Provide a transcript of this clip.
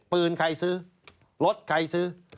ใครซื้อรถใครซื้อ